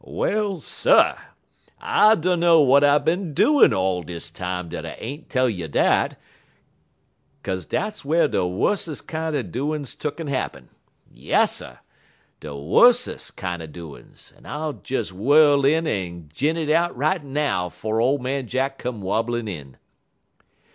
"Well, sir! I dunner w'at I bin doin' all dis time dat I ain't tell you dat, 'kaze dat's whar de wussest kinder doin's tuck'n happen. Yasser! de wussest kinder doin's; en I'll des whirl in en gin it out right now 'fo' ole man Jack come wobblin' in.